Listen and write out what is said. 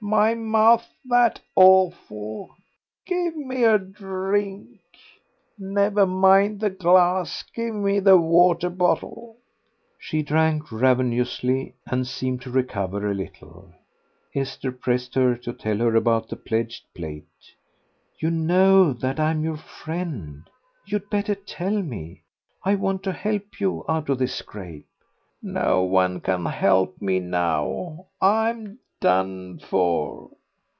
My mouth's that awful Give me a drink. Never mind the glass, give me the water bottle." She drank ravenously, and seemed to recover a little. Esther pressed her to tell her about the pledged plate. "You know that I'm your friend. You'd better tell me. I want to help you out of this scrape." "No one can help me now, I'm done for.